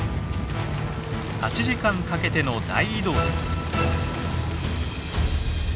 ８時間かけての大移動です。